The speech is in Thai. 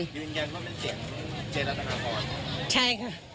ยืนยันว่าเป็นเสียงเจรถาพร